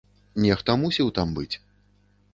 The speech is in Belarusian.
Нехта мусіў там быць.